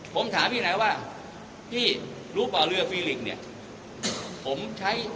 ผมถามพี่นายว่าพี่รู้ป่ะเรือฟีลิงเนี่ยผมใช้